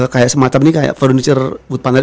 kayak semacam ini kayak furniture food panel